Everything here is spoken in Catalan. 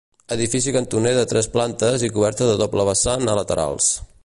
Edifici cantoner de tres plantes i coberta de doble vessant a laterals.